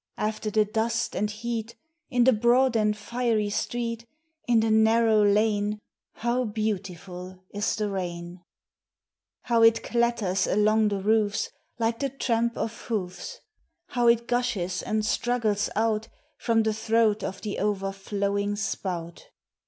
After the dust and heat, In the broad and fiery street, In the narrow lane, How beautiful is the rain ! How it clatters along the roofs, Like the tramp of hoofs ! How it gushes and struggles out From the throat of the overflowing spout!